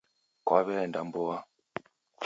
Kwaw'eenda mboa.